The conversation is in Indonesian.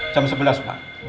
jam sebelas pak